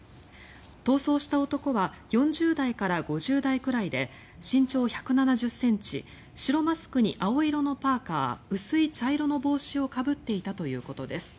逃走した男は４０代から５０代くらいで身長１７０ｃｍ白マスクに青色のパーカ薄い茶色の帽子をかぶっていたということです。